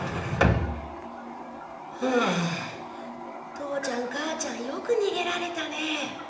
父ちゃん母ちゃんよくにげられたね。